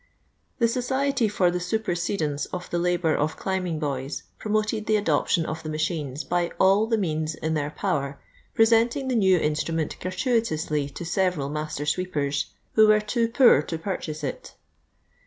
The todety for the supersedence of the labour of climbing boys promoted the adoption of the machines by all the means in their power, pre senting the new instrument gratuitously to several master sweepers who were too poor to purchase it.